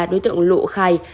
đối tượng lụ khai